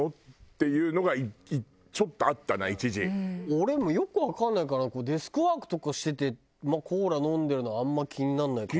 俺もうよくわかんないからデスクワークとかしててコーラ飲んでるのはあんま気にならないかな。